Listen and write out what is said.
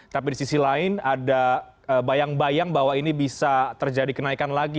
tapi di sisi lain ada bayang bayang bahwa ini bisa terjadi kenaikan lagi